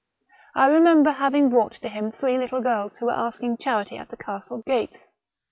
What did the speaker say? I remember having brought to him three little girls who were asking charity at the castle gates.